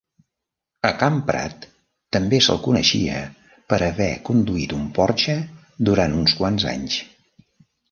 A Kamprad també se'l coneixia per haver conduit un Porsche durant uns quants anys.